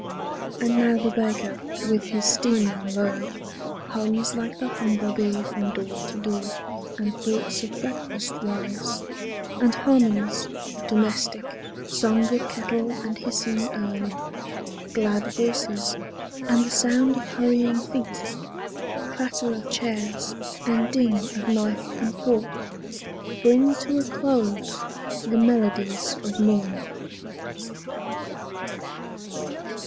And now the baker, with his steaming load, Hums like the humble bee from door to door, And thoughts of breakfast rise; and harmonies Domestic, song of kettle, and hissing urn, Glad voices, and the sound of hurrying feet, Clatter of chairs, and din of knife and fork, Bring to a close the Melodies of Morn.